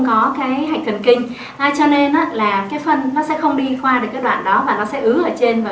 có cái hạch thần kinh cho nên là cái phân nó sẽ không đi qua được cái đoạn đó và nó sẽ ứ ở trên và